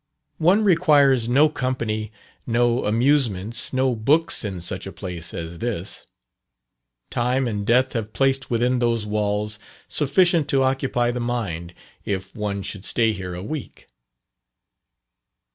One requires no company, no amusements, no books in such a place as this. Time and death have placed within those walls sufficient to occupy the mind, if one should stay here a week.